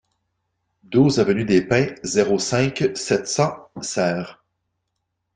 douze avenue des Pins, zéro cinq, sept cents, Serres